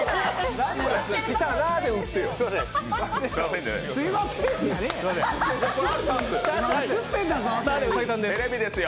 きたな、で打ってよ！